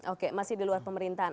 oke masih di luar pemerintahan